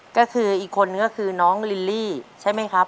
ก็คืออีกคนนึงก็คือน้องลิลลี่ใช่ไหมครับ